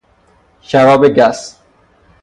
شراب گس